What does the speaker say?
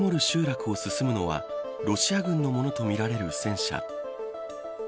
集落を進むのはロシア軍のものとみられる戦車。